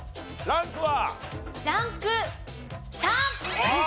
ランク３。